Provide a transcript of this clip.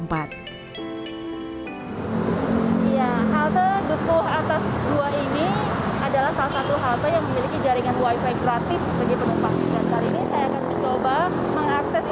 halte dukuh atas dua ini adalah salah satu halte yang memiliki jaringan wifi gratis